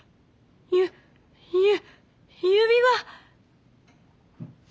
ゆゆ指輪！